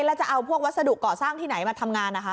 แล้วจะเอาพวกวัสดุก่อสร้างที่ไหนมาทำงานนะคะ